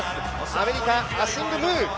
アメリカ、アシング・ムー。